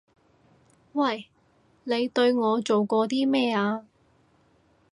喂！你對我做過啲咩啊？